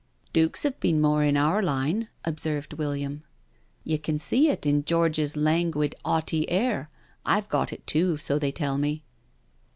" Dukes have been more in our line," observed William. " You can see it in George's languid, 'aughty air— I've got it too, so they tell me."